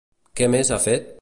Què més ha fet?